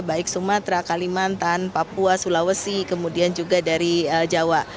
baik sumatera kalimantan papua sulawesi kemudian juga dari jawa